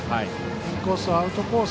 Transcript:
インコース、アウトコース